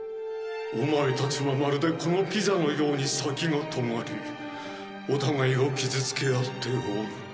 オマエたちはまるでこのピザのように先が尖りお互いを傷つけ合っておる。